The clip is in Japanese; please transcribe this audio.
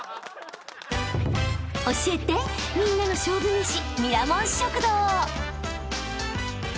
［教えてみんなの勝負めし］